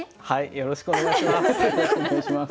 よろしくお願いします。